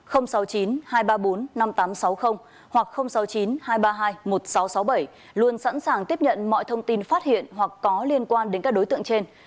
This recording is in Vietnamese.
sáu mươi chín hai trăm ba mươi bốn năm nghìn tám trăm sáu mươi hoặc sáu mươi chín hai trăm ba mươi hai một nghìn sáu trăm sáu mươi bảy luôn sẵn sàng tiếp nhận mọi thông tin phát hiện hoặc có liên quan đến các đối tượng trên